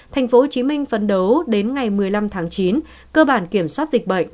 tp hcm phấn đấu đến ngày một mươi năm tháng chín cơ bản kiểm soát dịch bệnh